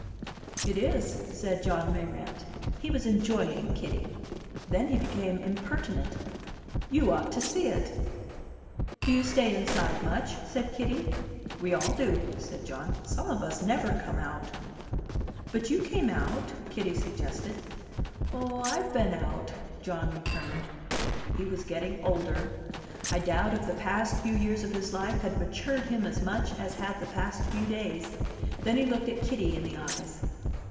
"It is," said John Mayrant. He was enjoying Kitty. Then he became impertinent. "You ought to see it." "Do you stay inside much?" said Kitty. "We all do," said John. "Some of us never come out." "But you came out?" Kitty suggested. "Oh, I've been out," John returned. He was getting older. I doubt if the past few years of his life had matured him as much as had the past few days. Then he looked at Kitty in the eyes.